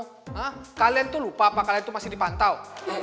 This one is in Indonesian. hah kalian tuh lupa apa kalian masih dipantau